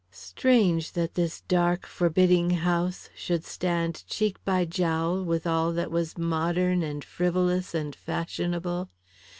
Strange that this dark, forbidding house should stand cheek by jowl with all that was modern and frivolous and fashionable.